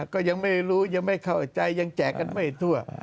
ก็ยังไม่รู้ยังไม่เข้าใจยังแจกกันไม่ทั่ว